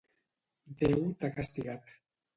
Déu t'ha castigat.